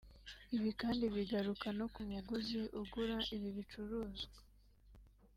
Ibi kandi bigaruka no ku muguzi ugura ibi bicuruzwa